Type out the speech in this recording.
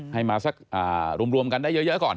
ให้มาสักรวมกันได้เยอะก่อน